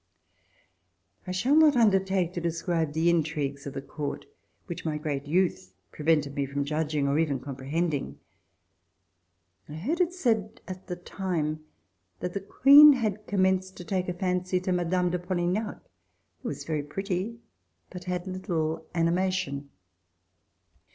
I shall not undertake to describe the Intrigues of the Court, which my great youth prevented m.e from judging or even comprehending. I heard it said at CHILDHOOD OF MLLE. DILLON the time that the Queen had commenced to take a fancy to Madame de PoHgnac, who was very pretty, but had little animation.